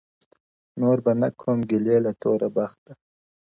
نور به نه کوم ګیلې له توره بخته-